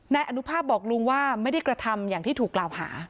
นายอนุภาพบอกลุงว่าไม่ได้กระทำอย่างที่ถูกกล่าวหา